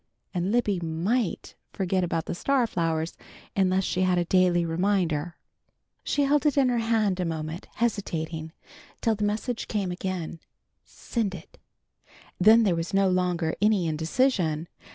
And Libby might forget about the star flowers unless she had a daily reminder. She held it in her hand a moment, hesitating, till the message came again, "Send it!" Then there was no longer any indecision.